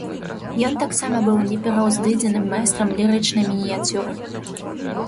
Ён таксама быў непераўзыдзеным майстрам лірычнай мініяцюры.